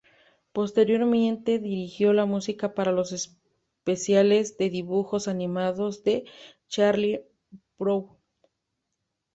Posteriormente dirigió la música para los especiales de dibujos animados de Charlie Brown.